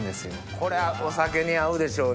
これはお酒に合うでしょうね。